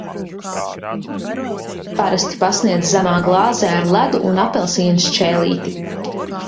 Parasti pasniedz zemā glāzē ar ledu un apelsīna šķēlīti.